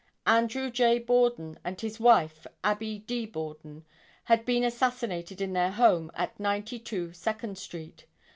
Andrew J. Borden and his wife Abbie D. Borden had been assassinated in their home at 92 Second street.